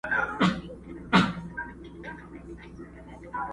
حجره سته طالب یې نسته!!